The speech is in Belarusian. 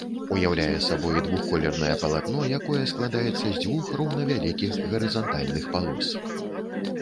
Уяўляе сабой двухколернае палатно, якое складаецца з дзвюх роўнавялікіх гарызантальных палос.